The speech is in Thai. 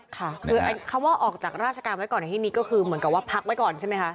ค่ะคือคำว่าออกจากราชการไว้ก่อนในที่นี้ก็คือเหมือนกับว่าพักไว้ก่อนใช่ไหมคะ